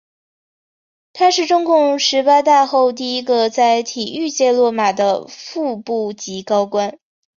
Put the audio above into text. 他是中共十八大后第一个在体育界落马的副部级高官。